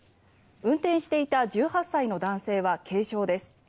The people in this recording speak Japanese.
運転していた１８歳の男性は軽傷です。